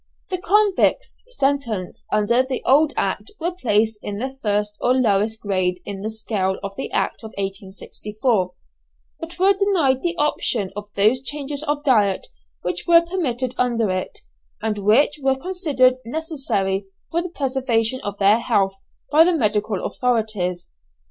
The convicts sentenced under the old Act were placed in the first or lowest grade in the scale of the Act of 1864, but were denied the option of those changes of diet which were permitted under it, and which were considered necessary for the preservation of their health by the medical authorities.